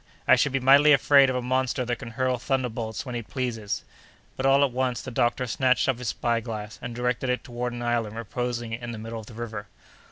I should be mightily afraid of a monster that can hurl thunderbolts when he pleases." But, all at once, the doctor snatched up his spy glass, and directed it toward an island reposing in the middle of the river.